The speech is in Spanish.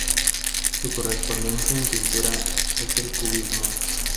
Su correspondencia en pintura es el cubismo.